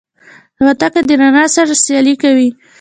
الوتکه د رڼا سره سیالي کوي.